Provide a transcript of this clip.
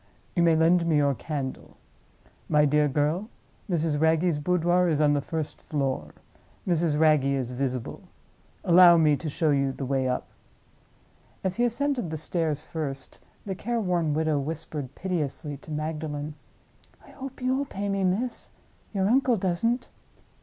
You may lend me your candle. My dear girl, Mrs. Wragge's boudoir is on the first floor; Mrs. Wragge is visible. Allow me to show you the way up." As he ascended the stairs first, the care worn widow whispered, piteously, to Magdalen, "I hope you'll pay me, miss. Your uncle doesn't."